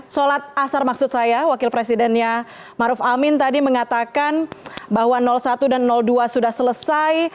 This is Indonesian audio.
sholat asar maksud saya wakil presidennya maruf amin tadi mengatakan bahwa satu dan dua sudah selesai